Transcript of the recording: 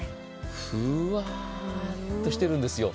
ふわっとしてるんですよ。